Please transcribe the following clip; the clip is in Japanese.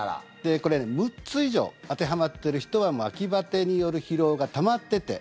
これ、６つ以上当てはまってる人は秋バテによる疲労がたまってて